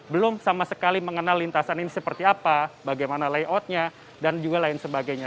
belum sama sekali mengenal lintasan ini seperti apa bagaimana layoutnya dan juga lain sebagainya